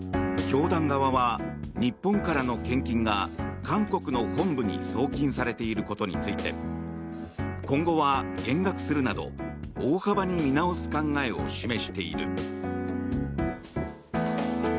教団側は日本からの献金が韓国の本部に送金されていることについて今後は減額するなど大幅に見直す考えを示している。